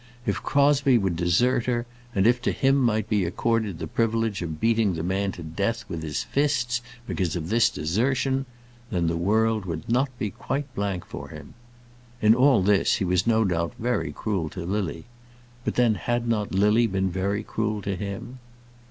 If Crosbie would desert her, and if to him might be accorded the privilege of beating the man to death with his fists because of this desertion, then the world would not be quite blank for him. In all this he was no doubt very cruel to Lily; but then had not Lily been very cruel to him?